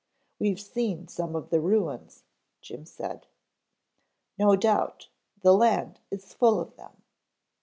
"We've seen some of the ruins," Jim said. "No doubt, the land is full of them.